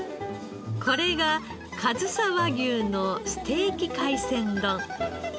これがかずさ和牛のステーキ海鮮丼。